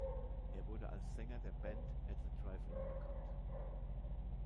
Er wurde als Sänger der Band At the Drive-In bekannt.